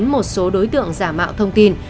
một số đối tượng giả mạo thông tin